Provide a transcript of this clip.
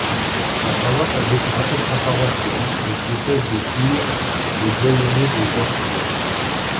La paroisse avait pour rattachement paroissial le diocèse de Toul et doyenné de Jorxey.